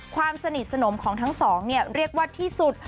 ความสนิทสนมของทั้งสองเรียกว่าที่สุด